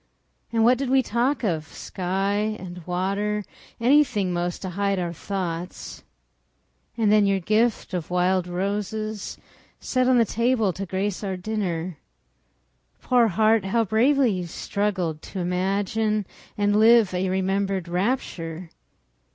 And what did we talk of?—sky and water, Anything, 'most, to hide our thoughts. And then your gift of wild roses, Set on the table to grace our dinner. Poor heart, how bravely you struggled To imagine and live a remembered rapture!